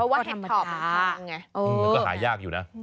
เพราะว่าแฮดพอปเหมือนกันอาจารย์ยากอยู่นะ